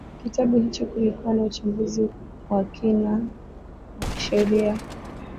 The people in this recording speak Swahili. kitabu hicho kilikuwa na uchambuzi wa kina wa kisheria